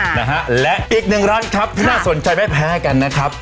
ใช่ค่ะนะฮะและอีกหนึ่งร้านครับที่น่าสนใจแพ้แพ้ให้กันนะครับ